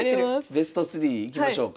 ベスト３いきましょうか？